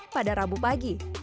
pada rabu pagi